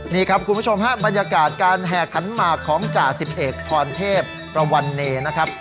นี่ครับคุณผู้ชมฮะบรรยากาศการแห่ขันหมากของจ่าสิบเอกพรเทพประวันเนนะครับ